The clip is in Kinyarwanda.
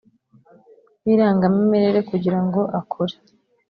w irangamimerere kugira ngo akore